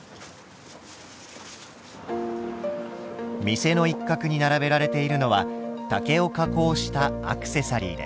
店の一角に並べられているのは竹を加工したアクセサリーです。